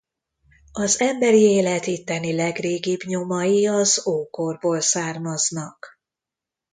Az emberi élet itteni legrégibb nyomai az ókorból származnak.